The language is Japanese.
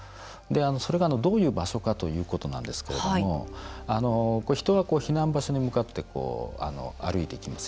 それが、どういう場所かということなんですけれども人が避難場所に向かって歩いていきます。